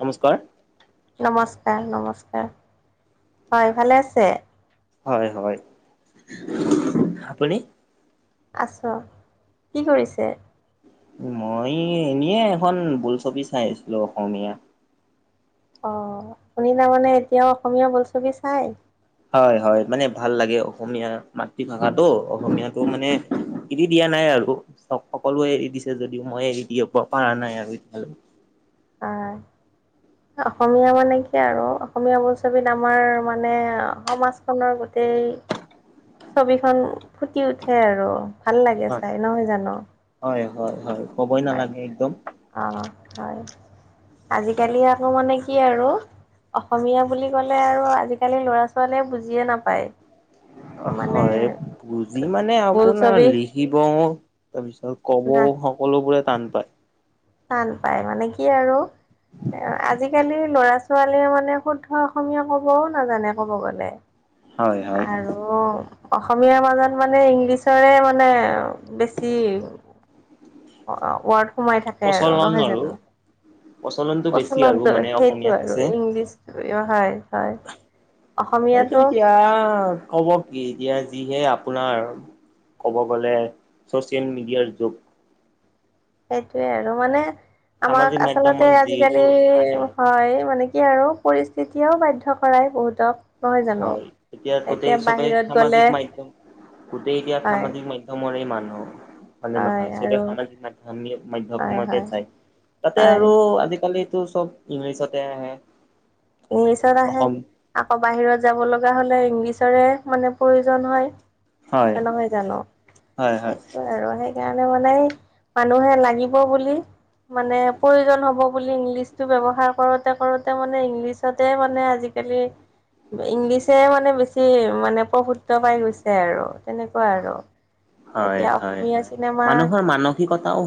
নমস্কাৰ। নমস্কাৰ নমস্কাৰ, হয় ভালে আছে? হয় হয়, আপুনি? আছোঁ, কি কৰিছে? মই এনেয়ে এখন বোলছবি চাই আছিলো অসমীয়া। অ', আপুনি তাৰমানে এতিয়াও অসমীয়া বোলছবি চাই? হয় হয় মানে ভাল লাগে অসমীয়া মাতৃভাষাটো, অসমীয়াটো মানে এৰি দিয়া নাই আৰু। সক সকলোৱে এৰি দিছে যদিও মই এৰি দিব প পাৰা নাই আৰু এতিয়ালৈকে। আ, অ অসমীয়া মানে কি আৰু অসমীয়া বোলছবিত আমাৰ মানে সমাজখনৰ গোটেই ছবিখন ফুটি উঠে আৰু ভাল লাগে হয় চাই নহয় জানো? হয় হয় হয়, ক'বই হয় নালাগে একদম অ', হয়, আজিকালি আকৌ মানে কি আৰু অসমীয়া বুলি ক'লে আৰু আজিকালি ল'ৰা - ছোৱালীয়ে বুজিয়ে নাপায়। অ মানে হয়, বুজি মানে আপোনাৰ বোলছবি লিখিবও তাৰপিছত কবও না সকলোবোৰে টান পায়। টান পায় মানে কি আৰু এ আজিকালি লৰা - ছোৱালীয়ে মানে শুদ্ধ অসমীয়া কবও নাজানে কব গলে। হয় হয় আৰু অসমীয়াৰ মাজত মানে ইংলিছৰে মানে বেছি অ', ৱাৰ্ড সোমাই থাকে আৰু নহয় জানো? প্ৰচলনটো বেছি আৰু প্ৰচলনটো মানে সেইটো আৰু অসমীয়াতছে ইংলিছটোৱে হয় হয়। সেইটো অসমীয়াটো এতিয়া ক'ব কি এতিয়া যিহে আপোনাৰ ক'ব গ'লে ছ'চিয়েল মিডিয়াৰ যুগ সেইটোৱে আৰু মানে আমাক সামাজিক আচলতে মাধ্যমত আজিকালি যিবোৰ আহে হয় মানে কি আৰু পৰিস্থিতিও বাধ্য কৰাই বহুতক। নহয় জানো হয় এতিয়া গোটেই চবেই বাহিৰত গ'লে সামাজিক মাধ্যম, গোটেই এতিয়া হয় সামাজিক মা ধ্যমৰে মানুহ মানে হয় নহয় চবে আৰু সামাজিক মাধ্যমে হয় মাধ্যমমতে হয় চায়। তাতে হয় আৰু আজিকালিটো চব ইংলিছতে আহে। ইংলিছত আহে অসম আকৌ বাহিৰত যাব লগা হলে ইংলিছৰে মানে প্ৰয়োজন হয়। হয় এ নহয় জানো? হয় হয় সেইটোয়ে আৰু সেই সেইকাৰণে মানে মানুহে লাগিব বুলি মানে প্ৰয়োজন হ'ব বুলি ইংলিছটো ব্যৱহাৰ কৰোতে কৰোতে মানে ইংলিছ ছতে মানে আজিকালি ইংলিছে মানে বেছি মানে প্ৰভুত পাই গৈছে আৰু। তেনেকুৱা আৰু হয় এতিয়া হয় অসমীয়া হয় চিনেমা মানুহৰ [unintelligible]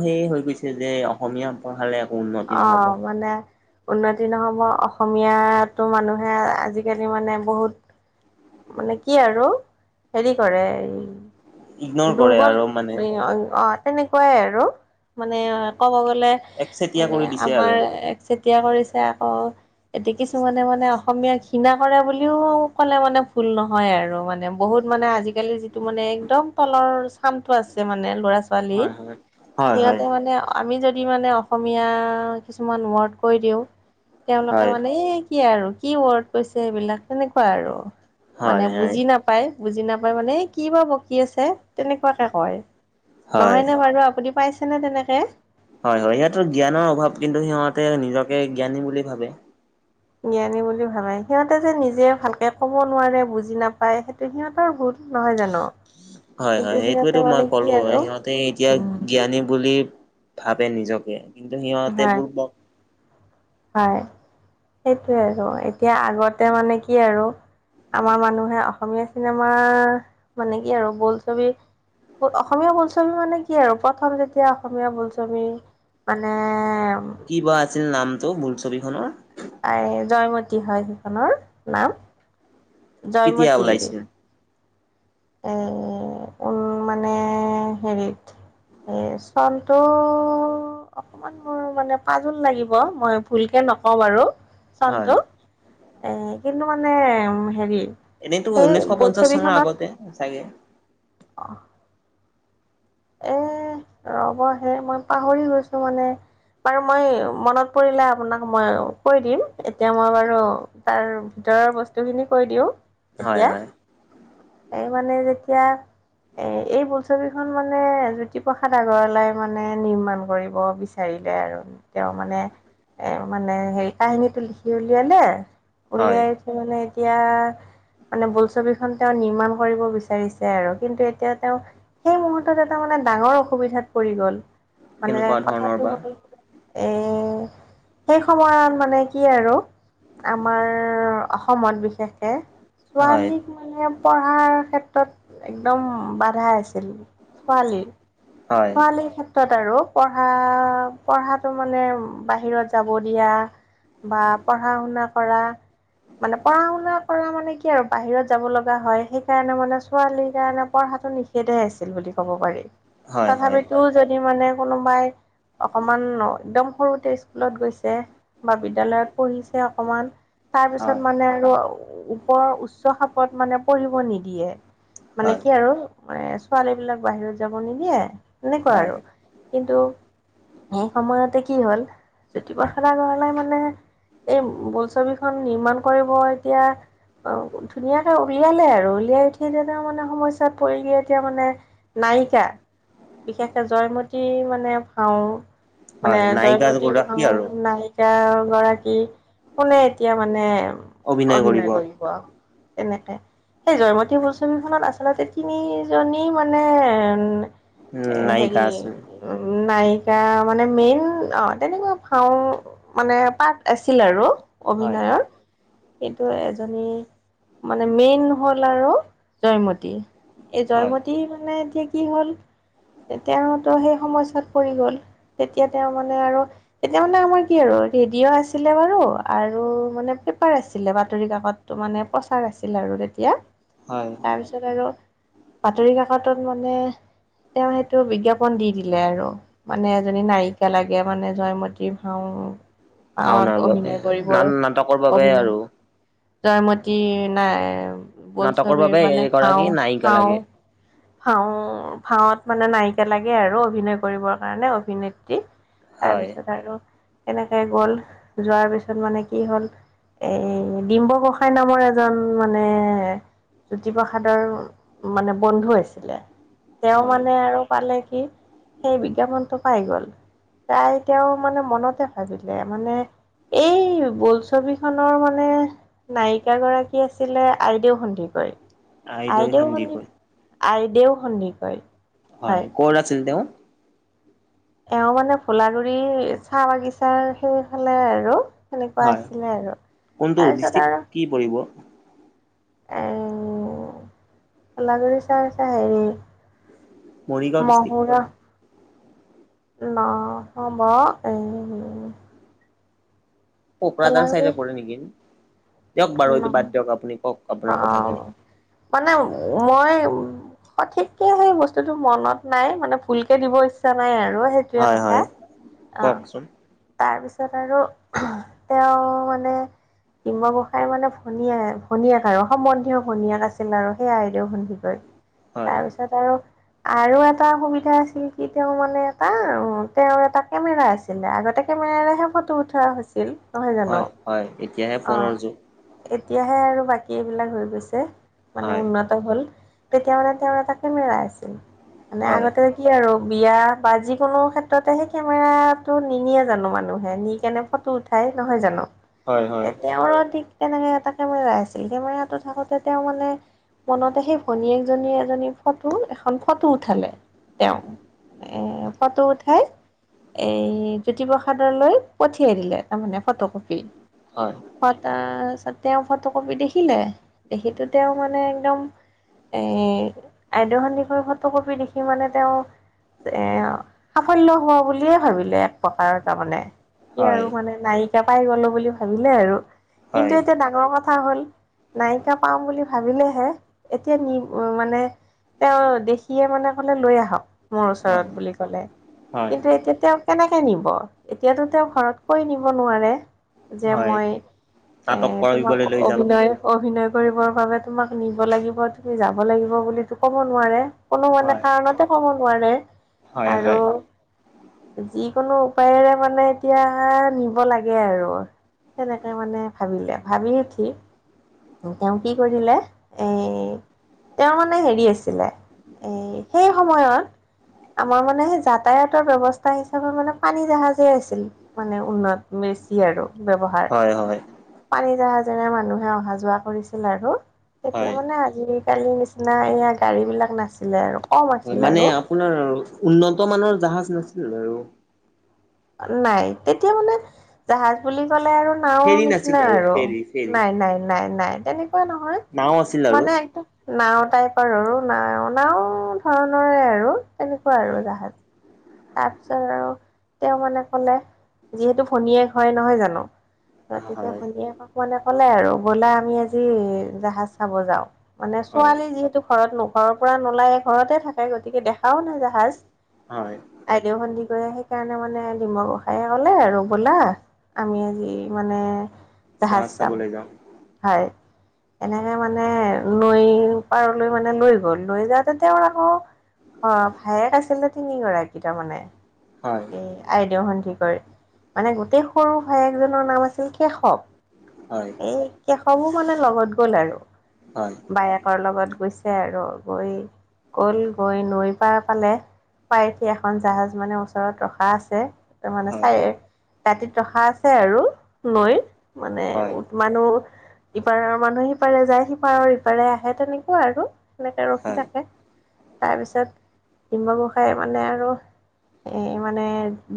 সেয়ে হৈ গৈছে যে অসমীয়া পঢ়ালে একো উন্নতি অ নহ'ব। মানে উন্নতি নহব অসমীয়াটো মানুহে আজিকালি মানে বহুত মানে কি আৰু হেৰি কৰে এই ইগনৰ কৰে দুৰ্বল আৰু মানে অ তেনেকুৱাই আৰু মানে ক'ব গলে একচেতিয়া মানে কৰি দিছে আৰু। আমাৰ একচেতিয়া কৰিছে আকৌ এতিয়া কিছুমানে মানে অসমীয়া ঘৃণা কৰে বুলিও ক'লে মানে ভুল নহয় আৰু মানে বহুত মানে আজিকালি যিটো মানে একদম তলৰ চামটো আছে মানে ল'ৰা- ছোৱা ৱালী হয় হয়। হয় হয় সিহঁতে মানে আমি যদি মানে অসমীয়া কিছুমান ৱৰ্ড কৈ দিওঁ তেওঁলোকে হয় মানে, এই কি আৰু কি ৱৰ্ড কৈছে এইবিলাক সেনেকুৱা আৰু মানে হয় হয় বুজি নাপ পাই বুজি নাপায় মানে এই কিবা বকি আছে তেনেকুৱাকে কয় হয়। নহয় নে বাৰু আপুনি পাইছেনে তেনেকে হয় হয় সিহঁতৰ জ্ঞানৰ অভাৱ, কিন্তু সিহঁতে নিজকে জ্ঞানী বুলি ভাবে জ্ঞানী বুলি ভাবে, সিহঁতে যে নিজে ভালকে ক'ব নোৱাৰে বুজি নাপায় সেইটো সিহঁতৰ ভুল। নহয় জানো হয় কিন্তু হয় সিহঁতে সেইটোৱেতো মানে মই কি ক'লো আৰু সিহঁতে এতিয়া উম জ্ঞানী বুলি ভাবে নিজকে কিন্তু সিহঁতে হয় বুৰ্বক হয়, সেইটোৱে আৰু এতিয়া আগতে মানে কি আৰু আমাৰ মানুহে অসমীয়া চিনেমা মানে কি আৰু বোলছবি অসমীয়া বোলছবি মানে কি আৰু প্ৰথম যেতিয়া অসমীয়া বোলছবি মানেম কি বা আছিল নামটো বোলছবিখনৰ আই জয়মতী হয় সেইখনৰ নাম, কেতিয়া জয়মতী ওলাইছিল অ উম মানে হেৰিত, এই চনটো মোৰ মানে পাজোল লাগিব মই ভুলকে নকওঁ বাৰু হয়। চনটো এ কিন্তু মানে হেৰি এনেতো সেই ঊনৈছশ পঞ্চাশ চনৰ আগতে চাগে অহ এ ৰব হে মই পাহৰি গৈছো মানে বাৰু মই মনত পৰিলে আপোনাক মই কৈ দিম এতিয়া মই বাৰু তাৰ ভিতৰৰ বস্তু খিনি কৈ দিও হয় এতিয়া হয় এই মানে যেতিয়া এ এই বোলছবিখন মানে জ্যোতিপ্ৰসাদ আগৰৱালাই মানে নিৰ্মাণ কৰিব বিচাৰিলে আৰু তেওঁ মানে এ মানে হেৰি কাহিনীটো লিখি উলিয়ালে, হয়। উলিয়াই এ মানে এতিয়া মানে বোলছবিখন তেওঁ নিৰ্মাণ কৰিব বিচাৰিছে আৰু কিন্তু এতিয়া তেওঁ সেই মুহুৰ্ হঠাৎ এটা মানে ডাঙৰ অসুবিধাত পৰি গ'ল মানে কেনেকুৱা ধৰণৰ কথাটো বা হ'ল এ সেই সময়ত মানে কি আৰু আমাৰ অসমত বিশেষকে হয় ছোৱালীক মানে পঢ়াৰ ক্ষেত্ৰত একদম বাধাই আছিল। ছোৱালী, হয় ছোৱালীৰ ক্ষেত্ পিছত আৰু পঢ়া পঢ়াটো মানে বাহিৰত যাব দিয়া বা পঢ়া-শুনা কৰা মানে পঢ়া-শুনা কৰা মানে কি আৰু বাহিৰত যাব লগা হয় সেইকাৰণে মানে ছোৱালীৰ কাৰণে পঢ়াটো নিষি দ্ধ আছিল বুলি ক'ব পাৰি হয় হয় তথাপিতো যদি মানে কোনোবাই অকণমান একদম সৰুতে স্কুলত গৈছে বা বিদ্যয়ালয়ত পঢ়িছে অকমান তাৰ পিছত হয় মানে আৰু ওপৰৰ উচ্চ খাপত মানে পঢ়িব নিদিয়ে। মানে হয় কি আৰু, মানে ছোৱালীবিলাক বাহিৰত যাব নিদিয়ে, এনেকুৱা হয়। আৰু। কিন্তু সেই সময়তে কি হ'ল, জ্যোতিপ্ৰসাদ আগৰৱালাই মানে এই বোলছবিখন নিৰ্মাণ কৰিব এতিয়া। অ, ধুনীয়াকে উলিয়ালে আৰু, উলিয়াই উঠি যে মানে সমস্যাত পৰি গৈ এতিয়া মানে নায়িকা, বিশেষকে জয়মতী মানে পাওঁ মানে হয় নায়িকা জয়মতী গৰাকী আৰু ভাওনাই এগৰাকী কোনে এতিয়া মানে অভিনয় কৰিব তেনেকে? সেই জয়মতী বোলছবিখনত আচলতে তিনিজনী মানে উম এ, হেৰি নায়িকা আছিল। উম, নায়িকা, মানে মেইন অ, তেনেকুৱা ভাও মানে পাঠ আছিল আৰু হয় হয় অভিনয়ৰ, সেইটো এজনী মানে মেইন হ'ল আৰু জয়মতী, এই হয় জয়মতী মানে এতিয়া কি হ'ল তেওঁতো সেই সমস্যাত পৰি গ'ল। তেতিয়া তেওঁ মানে আৰু তেতিয়া মানে আমাৰ কি আৰু, ৰেডিঅ' আছিলে বাৰু! আৰু মানে পেপাৰ আছিলে, বাতৰি কাকতটো মানে প্ৰচাৰ আছিলে আৰু তেতিয়া। হয়। তাৰপিছত আৰু বাতৰি কাকতত মানে তেওঁ সেইটো বিজ্ঞাপন দি দিলে আৰু। মানে এজনী নায়িকা লাগে, মানে জয়মতী ভাও অ, ভাওনাৰ বাবে অভিনয় না কৰিবৰ। নাটকৰ বাবে আৰু অভিনয় জয়মতীৰ নাই, নাটকৰ বোলছবিৰ বাবে মানে এগৰাকী ভাও- নায়িকা ভাও লাগে ভাও-ভাওত মানে নায়িকা লাগে, আৰু অভিনয় কৰিবৰ কাৰণে অভিনেত্ৰী। হয় তাৰপিছত আৰু এনেকে গ'ল, যোৱাৰ পিছত মানে কি হ'ল এ, ডিম্ব গোসাই নামৰ এজন মানে জ্যোতিপ্ৰসাদৰ মানে বন্ধু আছিলে, তেওঁ হয় মানে আৰু পালে কি, সেই বিজ্ঞাপনটো পাই গ'ল। পাই তেওঁ মানে মনতে ভাবিলে, মানে এই বোলছবি খনৰ মানে নায়িক গৰাকী আছিলে, আইদেউ সন্ধিকৈ। আইদৈ সন্দিকৈ! আইদেউ সন্দিকৈ। হয়, কৰ আছিল তেওঁ? এওঁ মানে, ভোলাগুৰি চাহ বাগিচাৰ সেই ফালে আৰু। সেনেকুৱা হয় আছিলে আৰু, কোনটো তাৰপিছত ডিষ্ট্ৰিক্ট আৰু কি পৰিব? [unintelligible] মৰিগাঁও ডিষ্ট্ৰিক মহুৰা পৰে। [unintelligible] কোকৰাঝাৰ ভোলাগুৰি চাইডে পৰে নেকি! দিয়ক বাৰু এইটো নহয় বাদ দিয়ক! আপুনি কওক অ আপোনাৰ কথাখিনি? মানে মই সঠিক কে সেই বস্তুতটো মনত নাই, মানে ভুলকে দিব ইচ্ছা নাই আৰু, সেই টোৱে হয় কথা। হয় অ। কওকচোন তাৰপিছত আৰু তেওঁ মানে, ডিম্ব গো তাই মানে ভনীয়ে, ভনীয়েক আৰু সম্বন্ধীয়ও ভনীয়েক আছিল আৰু সেই আইদেউ সন্দিকৈৰ। হয় তাৰপিছত আৰু আৰু এটা সুবিধা আছিল কি তেওঁ মানে এটা তেওঁৰ এটা কেমেৰা আছিল। আছিলে, আগতে কেমেৰাৰেহে ফ'টো উঠোৱা হৈছিল নহয় হয় জানো? হয় এতিয়াহে অ ফোনৰ যুগ। এতিয়াহে আৰু বাকী এইবিলাক হৈ গৈছে মানে হয় উন্নত। হ'ল, তেতিয়া মানে তেওঁৰ এটা কেমেৰা আছিল মানে হয় আগতে আৰু বিয়া বা যিকোনো ক্ষেত্ৰতে সেই কেমেৰাতটো নিনিয়ে জানো মানুহে নি কেনে ফ'টো উঠাই নহয় জানো? হয় হয় এ', তেওঁৰো ঠিক তেনেকে এটা কেমেৰা আছিল কেমেৰাটো থাকোতে তেওঁ মানে মনতে সেই ভনীয়েকজনীয়ে এজনী ফ'টো এখন ফ'টো উঠালে তেওঁ। এ', ফ'টো উঠাই। এই জ্যোতিপ্ৰসাদলৈ পঠিয়াই দিলে তাৰমানে ফ'টো কপি। হয়। ছত [unintelligible] আ তেওঁ ফ'টো কপি দেখিলে দেখিটো তেওঁ মানে একদম এই আইদেউ সন্দকৈৰ ফ'টো কপি দেখি মানে তেওঁ এ', সাফল্য হোৱা বুলিয়ে ভাবিলে এক প্ৰকাৰৰ তাৰমানে কি হয় আৰু মানে নায়িকা পাই গ'লো বুলি ভাবিলে আৰু হয় কিন্তু এতিয়া ডাঙৰ কথা কথা হ'ল নায়িকা পাম বুলি ভাবিলেহে এতিয়া নি [unintelligible] মানে তেওঁ দেখিয়ে মানে ক'লে লৈ আহক মোৰ ওচৰত হয় বুলি কলে হয় কিন্তু এতিয়া তেওঁক কেনেকৈ নিব? এতিয়াতো তেওঁক ঘৰত কৈ নিব নোৱাৰে। যে, হয় মই নাটক এ', তোমাক কৰিবলৈ লৈ যাম অভিনয় অভিনয় কৰিবৰ বাবে তোমাক নিব লাগিব তুমি যাব লাগিব বুলিতো ক'ব নোৱাৰে। কোনো মানে হয় কাৰণতে ক'ব নোৱাৰে হয় আৰু হয় যিকোনো উপায়েৰে মানে এতিয়া নিব লাগে আৰু তেনেকে মানে ভাবিলে ভাবি উঠি! তেওঁ কি কৰিলে এই তেওঁ মানে হেৰি আছিলে এ' সেই সময়ত আমাৰ মানে সেই যাতায়াতৰ ব্যৱস্থা হিচাপে মানে পানী জাহাজেই আছিল। মানে উন্নত বেছি আৰু ব্যৱহাৰ হয় হয় পানী জাহাজেৰে মানুহে অহা যোৱা কৰিছিল আৰু তেতিয়া হয় মানে আজিকালি নিচিনা এয়া গাড়ী বিলাক নাছিলে আৰু কম হয়, আছিল মানে আৰু আপোনাৰ উন্নত মানৰ জাহাজ নাছিল আৰু নাই তেতিয়া মানে জাহাজ বুলি ক'লে আৰু নাওঁৰ ফেৰী নাছিল নিচিনা আৰু ফেৰী ফেৰী নাই, নাই, নাই, নাই তেনেকুৱা নহয় নাও আছিল আৰু মানে একদম। নাওঁ টাইপ আৰু আৰু নাওঁ ধৰণৰে আৰু তেনেকুৱা হয় আৰু জাহাজ তাৰপিছত আৰু তেওঁ মানে ক'লে যিহেতু ভনীয়েক হয় নহয় জানো? তাৰপিছত হয় ভনীয়েকক মানে ক'লে আৰু ব'লা আমি আজি জাহাজ চাব যাওঁ। মানে হয় ছোৱালী যিহেতু ঘৰত নো ঘৰৰ পৰা নোলাই ঘৰতে থাকে গতিকে দেখাও নাই জাহাজ হয়। আইদেউ সন্দিকৈয়ে সেইকাৰণে মানে ডিমৰ গোসাইে ক'লে আৰু ব'লা আমি আজি মানে জাহাজ চাম চাবলৈ যাওঁ হয়। এনেকে মানে নৈ পাৰলৈ মানে লৈ গল লৈ যাওঁতে তেওঁৰ আকৌ অ', ভায়েক আছিলে তিনিগৰাকী তাৰমানে হয়। এ আইদেউ সন্দিকৈৰ মানে গোটেই সৰু ভায়েকজনৰ নাম আছিল কেশৱ। হয়। এই কেশৱো মানে লগত গ'ল আৰু। হয়। বায়েকৰ লগত গৈছে আৰু অ গৈ গল গৈ নৈ পাৰ পালে, পায়কি এখন জাহাজ মানে ওচ চৰত ৰখা আছে তাৰ মানে হয় চাই দাতিত ৰখা আছে আৰু নৈৰ। মানে হয় উঠ মানুহ ইপাৰৰ মানুহে সিপাৰে যায়, সিপাৰৰ ইপাৰে আহে তেনেকুৱা আৰু। সেনেকে ৰখি হয় থাকে তাৰপিছত ডিম্ব গোসাঁইয়ে মানে আৰু এ মানে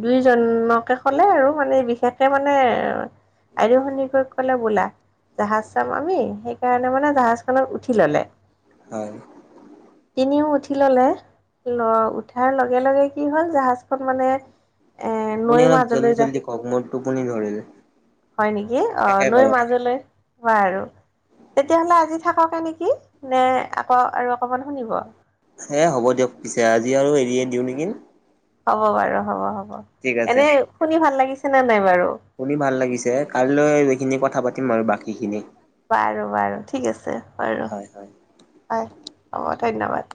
দুইজনকে কলে আৰু মানে বিশেষকে মানে আইদেউ সন্দিকৈক কলে ব'লা, জাহাজ চাম আমি সেইকাৰণে মানে জাহাজ খনত উঠি ললে। হয় তিনিও উঠি ললে, ল উঠাৰ লগে লগে কি হল জাহাজখন মানে এ নৈৰ আপুনিও মাজলৈ জলদি যা জলদী কওক মোৰ টোপনি ধৰিল। হয় নেকি? অ নৈৰ মাজলৈ ব আৰু তেতিয়াহলে আজি থাককে নেকি নে আকৌ আৰু অকমান শুনিব? সে হ'ব দিয়ক পিছে আজি আৰু এৰিয়ে দিওঁ নেকি? হ'ব বাৰু হ'ব হ'ব ঠিক আছে এনে শুনি ভাল লাগিছে নে নাই বাৰু? শুনি ভাল লাগিছে, কাইলৈ এইখিনি কথা পাতিম আৰু বাকীখিনি। বাৰু বাৰু ঠিক আছে বাৰু, হয় হয়। হয় হ'ব ধন্যবাদ।